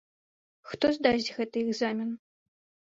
Хто здасць гэты экзамен?